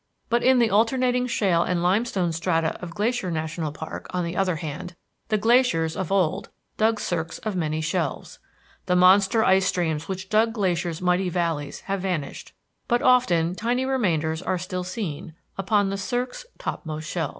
But in the alternating shale and limestone strata of Glacier National Park, on the other hand, the glaciers of old dug cirques of many shelves. The monster ice streams which dug Glacier's mighty valleys have vanished, but often tiny remainders are still seen upon the cirques' topmost shelves.